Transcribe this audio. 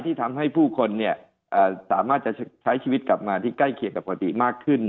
ที่ทำให้ผู้คนสามารถจะใช้ชีวิตกลับมาที่ใกล้เคียงกับปกติมากขึ้น